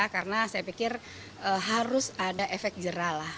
karena saya pikir harus ada efek jeralah